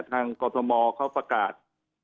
กรทมเขาประกาศ